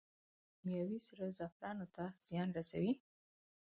آیا کیمیاوي سره زعفرانو ته زیان رسوي؟